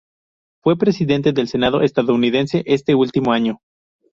Fue presidente del senado estadounidense este último año.